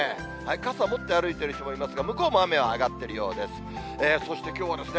傘持って歩いている人もいますが、向こうも雨は上がっているようです。